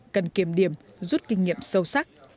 cần kiềm điểm rút kinh nghiệm sâu sắc